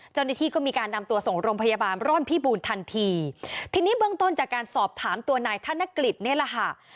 เจ้าหน้าที่ก็มีการนำตัวส่งโรงพยาบาลร่อนพิบูรณ์ทันทีทีนี้เบื้องต้นจากการสอบถามตัวนายธนกฤษนี่แหละค่ะ